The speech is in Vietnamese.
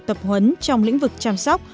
tập huấn trong lĩnh vực chăm sóc